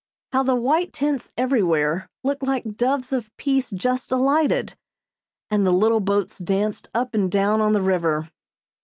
How the white tents everywhere looked like doves of peace just alighted, and the little boats danced up and down on the river.